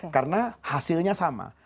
karena hasilnya sama